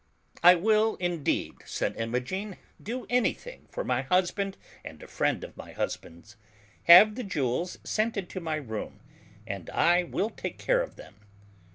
"I will indeed/' said Imogen, *'do anything for my husband and a friend of my husband's. Have the jewels sent into my room, and I will take care of them."